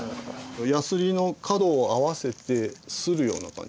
やすりの角を合わせて擦るような感じですね。